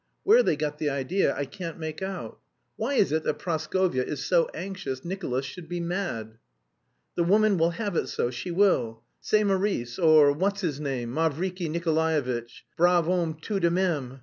Where they got the idea I can't make out. Why is it that Praskovya is so anxious Nicolas should be mad? The woman will have it so, she will. Ce Maurice, or what's his name, Mavriky Nikolaevitch, _brave homme tout de même...